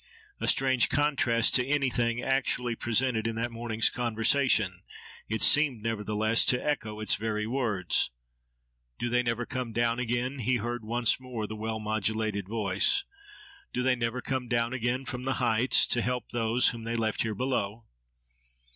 A strange contrast to anything actually presented in that morning's conversation, it seemed nevertheless to echo its very words—"Do they never come down again," he heard once more the well modulated voice: "Do they never come down again from the heights, to help those whom they left here below?"